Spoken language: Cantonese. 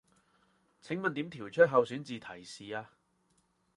請問點調出候選詞提示啊